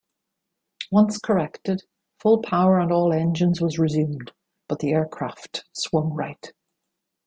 Once corrected full power on all engines was resumed but the aircraft swung right.